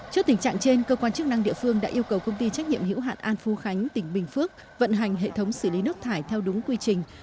trước tình trạng trên cơ quan chức năng địa phương đã yêu cầu công ty trách nhiệm hữu hạn an phú khánh tỉnh bình phước vận hành hệ thống xử lý nước thải theo đúng quy trình